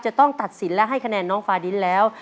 จะต้องตัดสินและให้คะแนนน้องฟาดินแล้ว